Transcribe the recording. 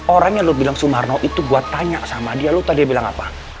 orang yang lo bilang sumarno itu gue tanya sama dia lo tau dia bilang apa